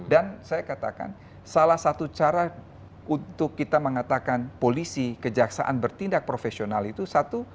dan saya katakan salah satu cara untuk kita mengatakan polisi kejaksaan bertindak profesional itu salah satu cara